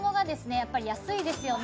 やっぱり安いですよね。